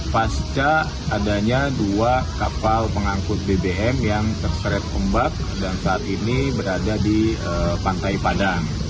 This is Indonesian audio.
pasca adanya dua kapal pengangkut bbm yang terseret ombak dan saat ini berada di pantai padang